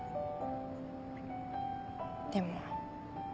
でも。